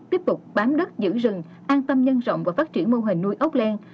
tiếp tục bám đất giữ rừng an tâm nhân rộng và phát triển mô hình nuôi ốc len